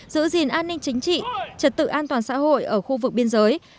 giữ gìn an ninh chính trị trật tự an toàn xã hội ở khu vực biên giới